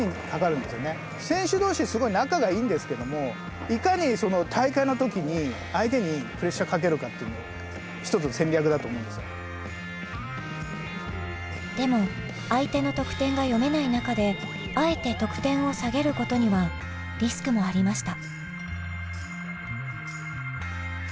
すごい仲がいいんですけどもいかにその大会の時にでも相手の得点が読めない中であえて得点を下げることにはリスクもありました。